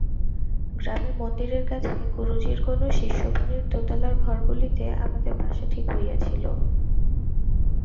গ্রামে মন্দিরের কাছে গুরুজির কোনো শিষ্যবাড়ির দোতলার ঘরগুলিতে আমাদের বাসা ঠিক হইয়াছিল।